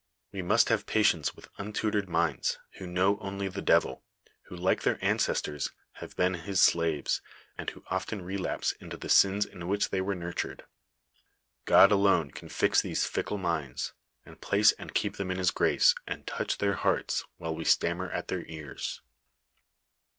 We must have patience with tmtntorod minds, who know only the devil, who like tlieir ancestors have been his sieves, and who of\en relapse into the sins in which they were nurtured. God alone can fix these fickle minds, and place and keep them in his grace, and touch their hearts while we stammer at their ears.